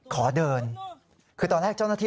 ขอเดินคือตอนแรกเจ้าหน้าที่